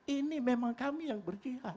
ini memang kami yang berjihad